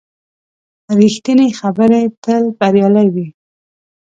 ریښتینې خبرې تل بریالۍ وي.